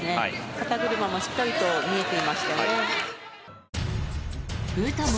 肩車もしっかりと見えていましたね。